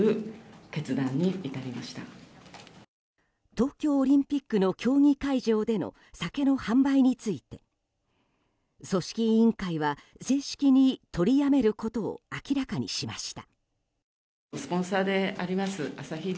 東京オリンピックの競技会場での酒の販売について組織委員会は正式に取りやめることを明らかにしました。